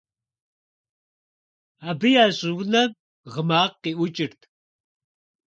Абы я щӀыунэм гъы макъ къиӏукӏырт.